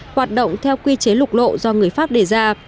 hoạt động theo quy chế lục lộ do người pháp đề ra